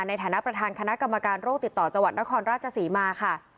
ในฐานะประธานคณะกรรมการโรคติดต่อจังหวัดนครราชศรีมาค่ะ